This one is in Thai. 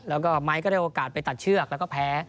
แล้วก็ไม้ก็ได้โอกาสไปตัดเชือกแล้วก็แพ้